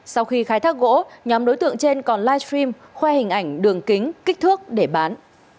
sau khi khai thác gỗ nhóm đối tượng trên còn livestream khoe hình ảnh đường kính kích thước để bán